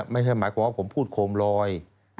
ไม่ใช่หมายความว่าผมพูดโคมลอย